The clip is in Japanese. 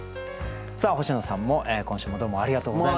星野さんも今週もどうもありがとうございました。